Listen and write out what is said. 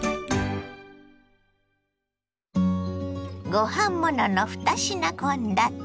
ご飯ものの２品献立。